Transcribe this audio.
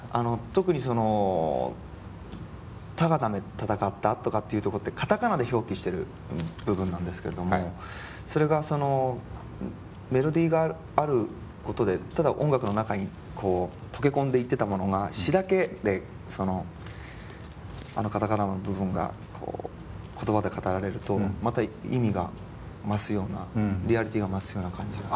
特にその「タガタメタタカッタ」とかっていうとこってカタカナで表記してる部分なんですけどもそれがそのメロディーがあることでただ音楽の中にこう溶け込んでいってたものが詞だけでそのあのカタカナの部分がこう言葉で語られるとまた意味が増すようなリアリティーが増すような感じが。